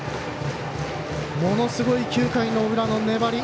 ものすごい９回の裏の粘り。